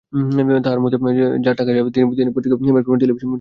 তাঁর মতে, যাঁর টাকা আছে তিনি পত্রিকা বের করবেন, টেলিভিশন চ্যানেল করবেন।